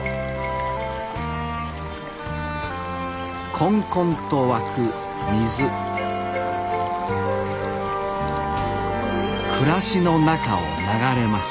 こんこんと湧く水暮らしの中を流れます